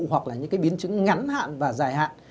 hoặc là những cái biến chứng ngắn hạn và dài hạn